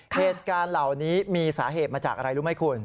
เหตุการณ์เหล่านี้มีสาเหตุมาจากอะไรรู้ไหมคุณ